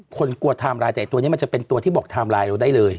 กลัวไทม์ไลน์แต่ตัวนี้มันจะเป็นตัวที่บอกไทม์ไลน์เราได้เลย